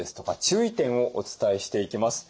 注意点をお伝えしていきます。